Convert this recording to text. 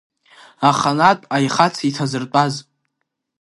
Аханатә аихац иҭазыртәаз.